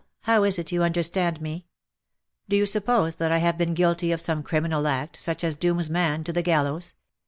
How is it you understand me ? Do you suppose that I have been guilty of some criminal act, such as dooms man to the gallows?